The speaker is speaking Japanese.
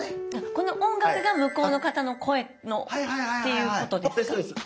この音楽が向こうの方の声っていうことですか？